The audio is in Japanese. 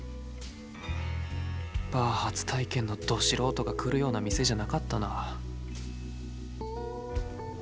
バー初体験のど素人が来るような店じゃなかったな。